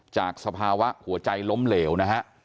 สภาวะหัวใจล้มเหลวนะฮะ